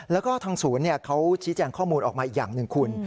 แล้วก็ทางศูนย์เขาชี้แจงข้อมูลออกมาอีกอย่างหนึ่งคุณ